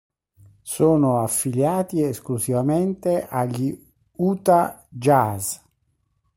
Sono affiliati esclusivamente agli Utah Jazz.